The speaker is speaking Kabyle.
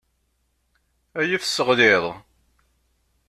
Ad iyi-tesseɣliḍ.